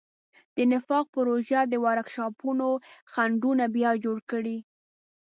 د نفاق پروژو د ورکشاپونو خنډونه بیا جوړ کړي.